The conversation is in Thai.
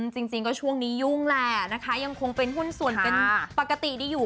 จริงก็ช่วงนี้ยุ่งแหละนะคะยังคงเป็นหุ้นส่วนเป็นปกติดีอยู่